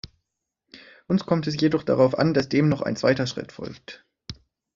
Uns kommt es jedoch darauf an, dass dem noch ein zweiter Schritt folgt.